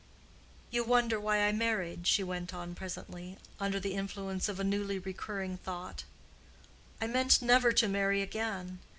"You wonder why I married," she went on presently, under the influence of a newly recurring thought. "I meant never to marry again.